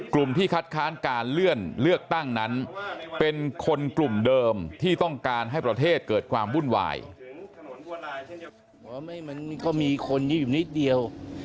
ที่คัดค้านการเลื่อนเลือกตั้งนั้นเป็นคนกลุ่มเดิมที่ต้องการให้ประเทศเกิดความวุ่นวาย